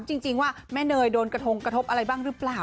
จริงว่าแม่เนยโดนกระทงกระทบอะไรบ้างหรือเปล่า